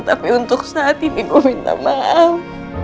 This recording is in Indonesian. tapi untuk saat ini gue minta mau